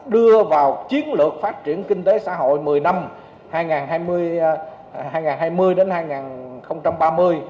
đưa vào chiến lược phát triển kinh tế xã hội một mươi năm hai nghìn hai mươi hai nghìn ba mươi